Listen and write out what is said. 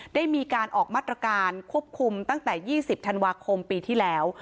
ได้มีการออกมาตรการควบคุมตั้งแต่๒๐ธันวาคมปีที่แล้ว